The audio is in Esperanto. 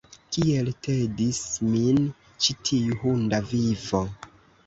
Kiel tedis min ĉi tiu hunda vivo!